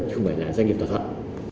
chứ không phải là doanh nghiệp thỏa thuận